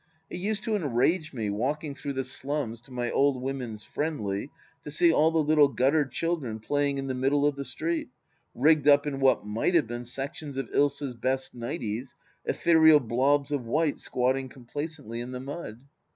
It used to enrage me, walking through the slums to my Old Women's Friendly, to see all the little gutter children playing in the middle of the street, rigged up in what might have been sections of Ilsa's best "nighties," ethereal blobs of white squatting complacently in the mud.